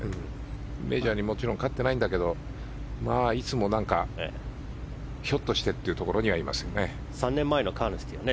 メジャーにもちろん勝ってないんだけどいつもひょっとしてってところにありますよね。